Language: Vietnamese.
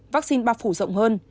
vaccine bạc phủ rộng hơn